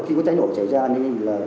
khi cháy nổ chảy ra